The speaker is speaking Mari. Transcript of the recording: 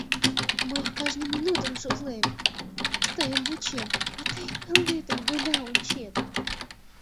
Мый, кажне минутым шотлен, тыйым вучем, а тый Элнетым гына ончет.